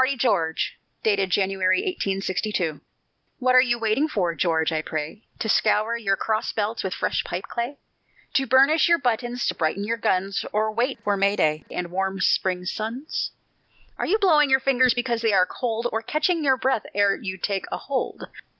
TARDY GEORGE [January, 1862] What are you waiting for, George, I pray? To scour your cross belts with fresh pipe clay? To burnish your buttons, to brighten your guns; Or wait you for May day and warm spring suns? Are you blowing your fingers because they are cold, Or catching your breath ere you take a hold?